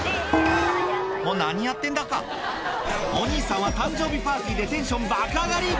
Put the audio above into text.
もう何やってんだかお兄さんは誕生日パーティーでテンション爆上がり